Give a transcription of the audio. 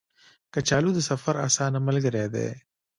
کچالو د سفر اسانه ملګری دی